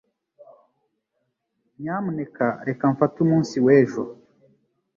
Nyamuneka reka mfate umunsi w'ejo.